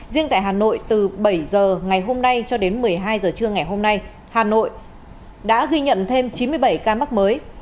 riêng tại hà nội từ bảy h ngày hôm nay cho đến một mươi hai h trưa ngày hôm nay hà nội đã ghi nhận thêm chín mươi bảy ca mắc mới